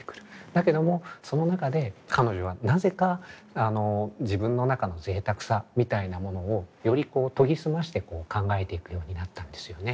だけどもその中で彼女はなぜか自分の中の贅沢さみたいなものをよりこう研ぎ澄まして考えていくようになったんですよね。